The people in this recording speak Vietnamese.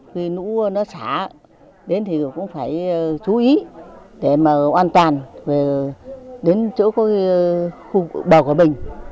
khi lũ nó xả đến thì cũng phải chú ý để mà an toàn về đến chỗ có khu bào của mình